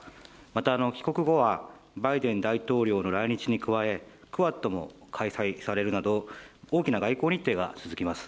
また帰国後は、バイデン大統領の来日に加え、クアッドも開催されるなど、大きな外交日程が続きます。